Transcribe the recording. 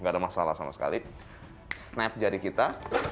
gak ada masalah sama sekali snap jari kita